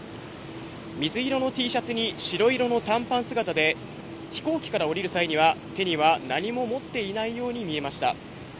水色のＴシャツに白色の短パン姿で、飛行機から降りる際には、手には何も持っていないように見えました。